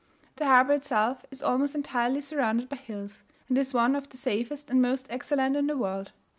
The harbour itself is almost entirely surrounded by hills, and is one of the safest and most excellent in the world.